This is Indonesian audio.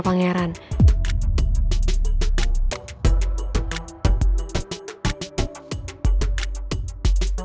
pangeran yang lebih paham